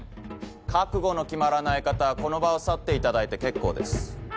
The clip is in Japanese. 覚悟の決まらない方はこの場を去っていただいて結構です。